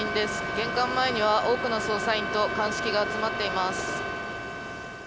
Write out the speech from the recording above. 玄関前には多くの捜査員と鑑識が集まっています。